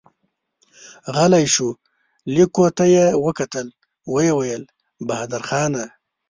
غلی شو، ليکو ته يې وکتل، ويې ويل: بهادرخانه!